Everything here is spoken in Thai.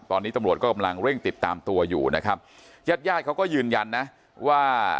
ตอนนี้ตำรวจก็กำลังเร่งติดตามตัวอยู่นะครับญาติญาติเขาก็ยืนยันนะว่า